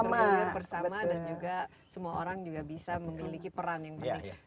kita mampir bersama dan juga semua orang juga bisa memiliki peran yang penting